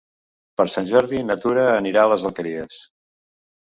Per Sant Jordi na Tura anirà a les Alqueries.